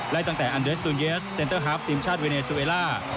ตั้งแต่อันเดสตูนเยสเซ็นเตอร์ฮาฟทีมชาติเวเนซูเอล่า